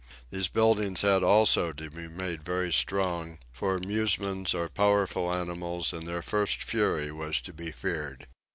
These buildings had also to be made very strong, for musmons are powerful animals, and their first fury was to be feared.